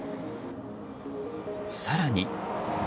更に。